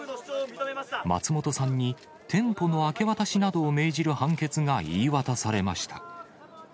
松本さんに、店舗の明け渡しなどを命じる判決が言い渡されました。